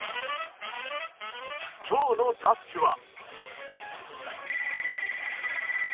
今日のダッシュは。